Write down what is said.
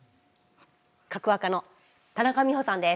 カクワカの田中美穂さんです